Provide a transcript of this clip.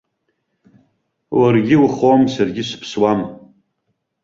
Уаргьы ухом, саргьы сыԥсуам!